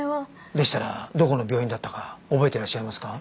でしたらどこの病院だったか覚えていらっしゃいますか？